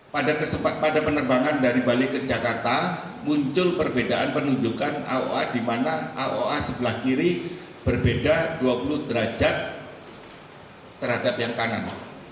pada penerbangan dari bali ke jakarta muncul perbedaan penunjukan aoa di mana aoa sebelah kiri berbeda dua puluh derajat terhadap yang kanan